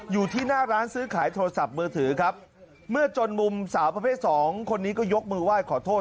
อยู่ที่หน้าร้านซื้อขายโทรศัพท์มือถือครับเมื่อจนมุมสาวประเภทสองคนนี้ก็ยกมือไหว้ขอโทษ